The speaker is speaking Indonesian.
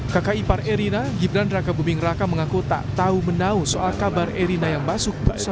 kakak ipar erina gibran raka buming raka mengaku tak tahu menau soal kabar erina yang masuk